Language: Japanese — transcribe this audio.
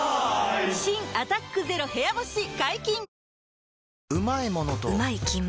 新「アタックＺＥＲＯ部屋干し」解禁‼